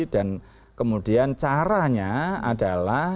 dan kemudian caranya adalah